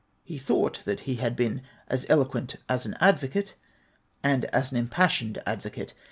He thought that he had l)een as eloc^uent as an advocate, and as an impassioned ad vocate.